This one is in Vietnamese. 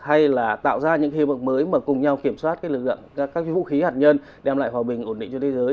hay là tạo ra những hiệp ước mới mà cùng nhau kiểm soát lực lượng các vũ khí hạt nhân đem lại hòa bình ổn định cho thế giới